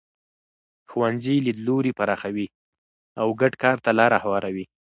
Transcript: ښوونځي لیدلوري پراخوي او ګډ کار ته لاره هواروي.